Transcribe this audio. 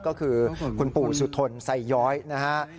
ก็คือคุณปู่สุทนไซย้อยนะฮะ